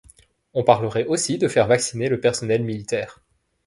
On parlerait aussi de faire vacciner le personnel militaire.